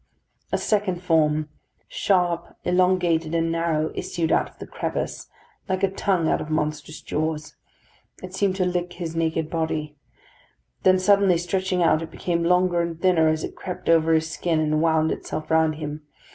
A second form, sharp, elongated, and narrow, issued out of the crevice, like a tongue out of monstrous jaws. It seemed to lick his naked body. Then suddenly stretching out, it became longer and thinner, as it crept over his skin, and wound itself round him.